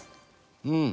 うん。